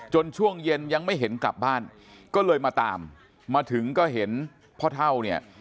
ช่วงเย็นยังไม่เห็นกลับบ้านก็เลยมาตามมาถึงก็เห็นพ่อเท่าเนี่ย